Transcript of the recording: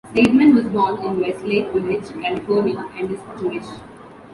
Seidman was born in Westlake Village, California, and is Jewish.